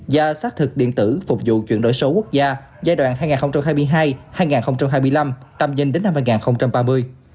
và xác thực điện tử phục vụ chuyển đổi số quốc gia giai đoạn hai nghìn hai mươi hai hai nghìn hai mươi năm tầm nhìn đến năm hai nghìn ba mươi